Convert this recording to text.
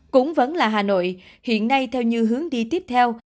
cũng vẫn là hà nội hiện nay theo như hướng đi tiếp theo